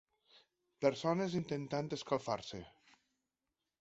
Persones intentant escalfar-se.